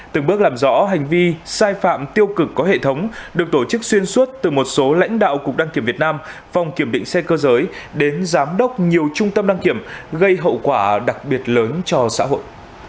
từng bước làm rõ hành vi sai phạm tiêu cực có hệ thống được tổ chức xuyên suốt từ một số lãnh đạo cục đăng kiểm việt nam phòng kiểm định xe cơ giới đến giám đốc nhiều trung tâm đăng kiểm gây hậu quả đặc biệt lớn cho xã hội